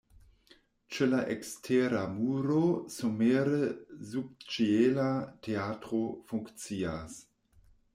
Ĉe la ekstera muro somere subĉiela teatro funkcias.